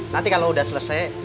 nanti kalau udah selesai